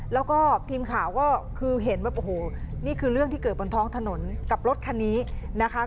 แล้วก็ทีมข่าวก็คือเห็นว่าโอ้โหนี่คือเรื่องที่เกิดบนท้องถนนกับรถคันนี้นะคะ